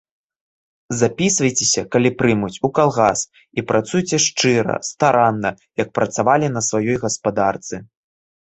Запісвайцеся, калі прымуць, у калгас і працуйце шчыра, старанна, як працавалі на сваёй гаспадарцы.